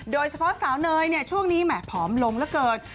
โดยเฉพาะสาวเนยเนี่ยช่วงนี้แหมผอมลงเหลือเกิน